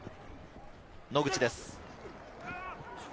野口です。